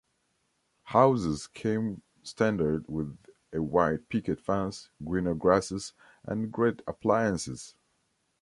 Houses came standard with a white picket fence, greener grasses, and great appliances.